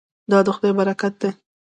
دا د خدای برکت دی.